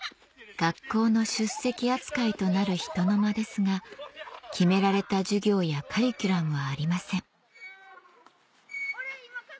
学校の出席扱いとなるひとのまですが決められた授業やカリキュラムはありません